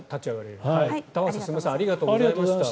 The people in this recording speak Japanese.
玉川さん、すみませんありがとうございました。